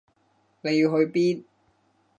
你要去邊？